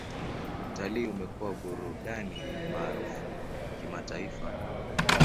Utalii umekuwa burudani maarufu kimataifa.